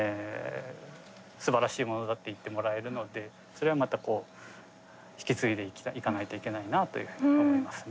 すばらしいものだって言ってもらえるのってそれはまたこう引き継いでいかないといけないなというふうに思いますね。